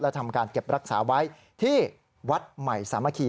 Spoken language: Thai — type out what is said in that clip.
ทำการเก็บรักษาไว้ที่วัดใหม่สามัคคี